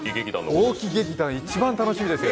大木劇団一番楽しみです。